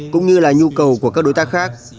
cũng như là nhu cầu của các đối tác khác